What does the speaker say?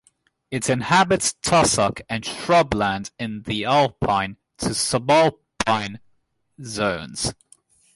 It inhabits tussock and shrubland in the alpine to subalpine zones.